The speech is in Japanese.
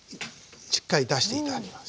しっかり出して頂きます。